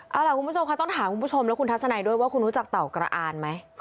เอาล่ะคุณผู้ชมค่ะต้องถามคุณผู้ชมและคุณทัศนัยด้วยว่าคุณรู้จักเต่ากระอ่านไหม